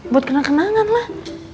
buat kenang kenangan lah